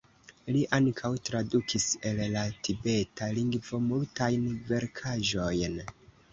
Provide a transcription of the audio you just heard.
Li ankaŭ tradukis el la tibeta lingvo multajn verkaĵojn.